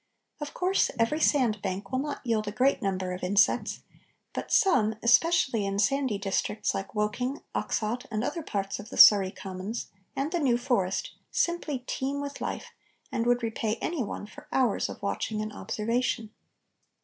Of course every sand bank will not yield a great number of insects, but some, especially in sandy districts like Woking, Oxshott, and other parts of the Surrey commons, and the New Forest, simply teem with life and would repay any one for hours of watching and observation.